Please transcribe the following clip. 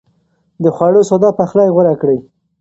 د خوړو ساده پخلی غوره کړئ.